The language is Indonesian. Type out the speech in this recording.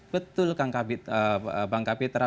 betul bang kapitra